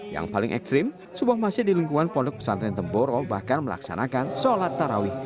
yang paling ekstrim sebuah masjid di lingkungan pondok pesantren temboro bahkan melaksanakan sholat tarawih